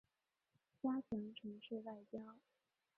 加强城市外交